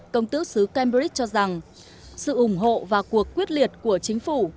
công tước sứ cambridge cho rằng sự ủng hộ và cuộc quyết liệt của chính phủ